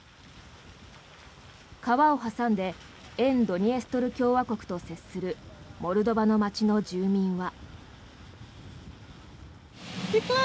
川を挟んで沿ドニエストル共和国と接するモルドバの街の住民は。